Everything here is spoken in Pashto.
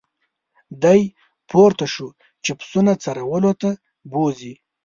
دی پورته شو چې پسونه څرولو ته بوزي.